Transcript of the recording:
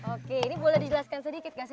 oke ini boleh dijelaskan sedikit gak sih